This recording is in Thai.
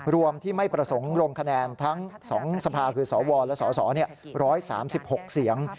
รวมที่ไม่ประสงค์ลงคะแนนทั้ง๒สภาคือสวและสส๑๓๖เสียง